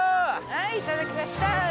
はいいただきました。